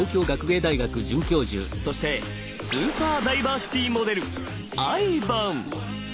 そしてスーパー・ダイバーシティモデルＩＶＡＮ！